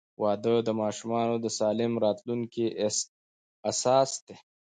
• واده د ماشومانو د سالم راتلونکي اساس دی.